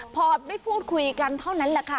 พอได้พูดคุยกันเท่านั้นแหละค่ะ